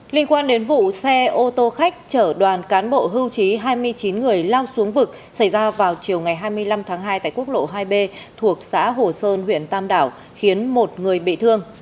liên quan đến vụ xe ô tô khách chở đoàn cán bộ hưu trí hai mươi chín người lao xuống vực xảy ra vào chiều ngày hai mươi năm tháng hai tại quốc lộ hai b thuộc xã hồ sơn huyện tam đảo khiến một người bị thương